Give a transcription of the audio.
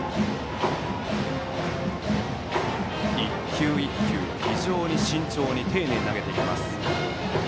１球１球、非常に慎重に丁寧に投げています。